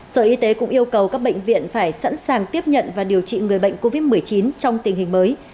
sở y tế cũng yêu cầu các bệnh viện phải sẵn sàng tiếp nhận và điều trị người bệnh covid một mươi chín trong tình hình mới